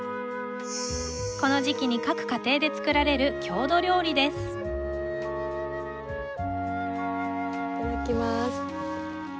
この時期に各家庭で作られる郷土料理ですいただきます。